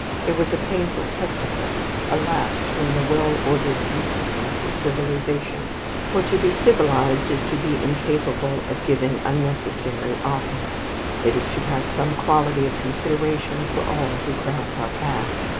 It was a painful spectacle, a lapse from the well ordered decencies of civilization. For to be civilized is to be incapable of giving unnecessary offence, it is to have some quality of consideration for all who cross our path.